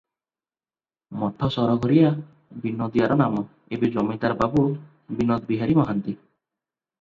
ମଠ ସରଘରିଆ ବିନୋଦିଆର ନାମ ଏବେ ଜମିଦାର ବାବୁ ବିନୋଦବିହାରି ମହାନ୍ତି ।